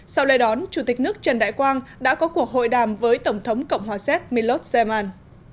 sau lễ đón chủ tịch nước trần đại quang đã có cuộc hội đàm với tổng thống cộng hòa xếp milot zeman